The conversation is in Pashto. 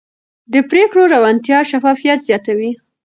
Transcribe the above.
د پرېکړو روڼتیا شفافیت زیاتوي